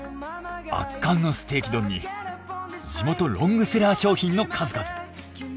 圧巻のステーキ丼に地元ロングセラー商品の数々。